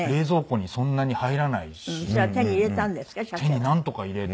手になんとか入れて。